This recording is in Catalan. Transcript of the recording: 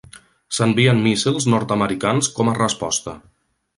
S'envien míssils nord-americans com a resposta.